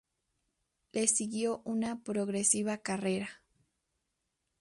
Le siguió una progresiva carrera.